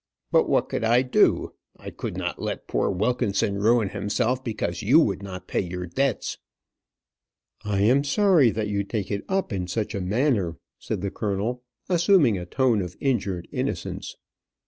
But what could I do? I could not let poor Wilkinson ruin himself because you would not pay your debts." "I am sorry that you take it up in such a manner," said the colonel, assuming a tone of injured innocence.